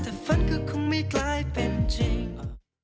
แต่ฝันก็คงไม่กลายเป็นจริง